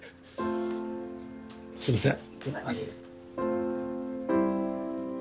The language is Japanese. すいません。